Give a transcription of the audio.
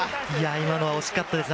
今のは惜しかったですね。